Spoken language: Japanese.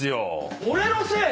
俺のせい⁉